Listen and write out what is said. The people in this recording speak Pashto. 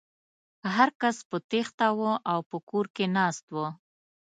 هر کس په تېښته و او په کور کې ناست و.